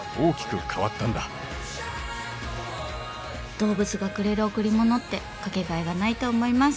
動物がくれる贈り物って掛けがえがないと思います。